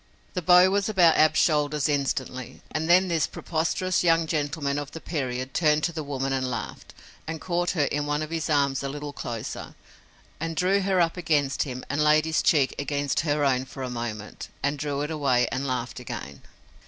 The bow was about Ab's shoulders instantly, and then this preposterous young gentleman of the period turned to the woman and laughed, and caught her in one of his arms a little closer, and drew her up against him and laid his cheek against her own for a moment and drew it away and laughed again.